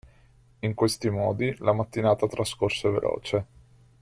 In questi modi, la mattinata trascorse veloce.